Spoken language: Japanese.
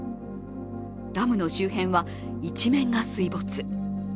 ダムの周辺は一面が水没。